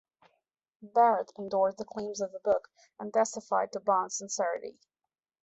Barrett endorsed the claims of the book and testified to Bond's sincerity.